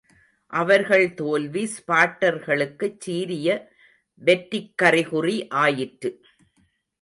அவர்கள் தோல்வி ஸ்பார்ட்டர்களுக்குச் சீரிய வெற்றிக் கறி குறி ஆயிற்று.